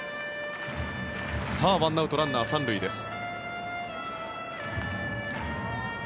１アウト、ランナー３塁です。